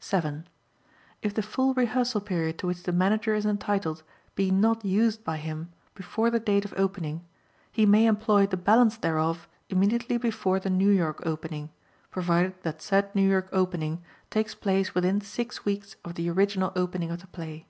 7. If the full rehearsal period to which the Manager is entitled be not used by him before the date of opening, he may employ the balance thereof immediately before the New York opening, provided that said New York opening takes place within six weeks of the original opening of the play.